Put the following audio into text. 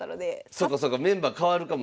そっかそっかメンバー替わるかも。